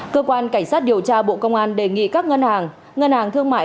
cơ quan cảnh sát điều tra bộ công an đề nghị các ngân hàng ngân hàng thương mại